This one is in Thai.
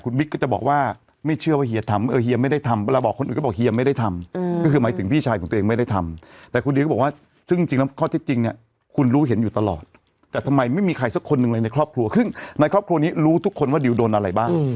ในครอบครัวนี้รู้ทุกคนว่าดิวโดนอะไรบ้าง